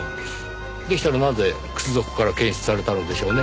でしたらなぜ靴底から検出されたのでしょうね？